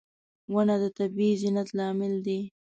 • ونه د طبیعي زینت لامل دی.